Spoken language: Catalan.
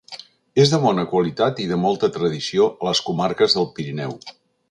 És de bona qualitat i de molta tradició a les comarques del Pirineu.